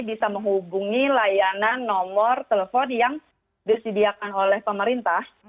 bisa menghubungi layanan nomor telepon yang disediakan oleh pemerintah